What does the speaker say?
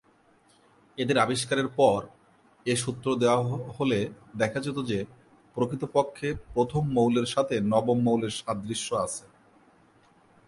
এদের আবিষ্কারের পর এ সূত্র দেওয়া হলে দেখা যেত যে, প্রকৃতপক্ষে প্রথম মৌলের সাথে নবম মৌলের সাদৃশ্য আছে।